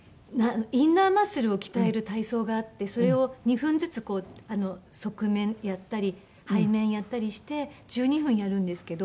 インナーマッスルを鍛える体操があってそれを２分ずつ側面やったり背面やったりして１２分やるんですけど。